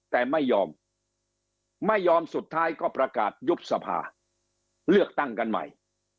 แต่ไม่ยอมไม่ยอมสุดท้ายก็ประกาศยุบสภาเลือกตั้งกันใหม่